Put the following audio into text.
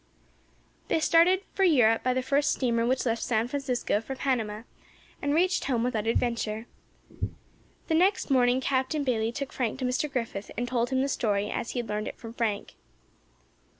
They started for Europe by the first steamer which left San Francisco for Panama, and reached home without adventure. The next morning Captain Bayley took Frank to Mr. Griffith, and told him the story as he had learned it from Frank.